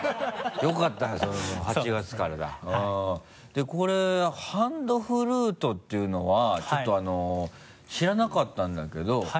でこれハンドフルートっていうのはちょっと知らなかったんだけど。